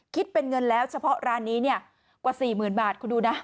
คิดเป็นเงินแล้วเฉพาะร้านนี้เนี่ยกว่า๔๐๐๐บาทคุณดูนะ